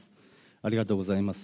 ありがとうございます。